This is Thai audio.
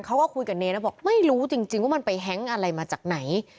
เขาก็คุยกับเนรนะบอกไม่รู้จริงว่ามันไปแฮ้งอะไรมาจากไหน